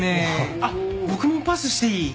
あっ僕もパスしていい？